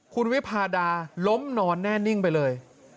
คุณวิพาดาล้มนอนแน่นิ่งไปเลย